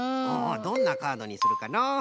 どんなカードにするかの？